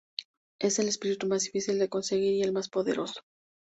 Es el espíritu más difícil de conseguir, y el más poderoso.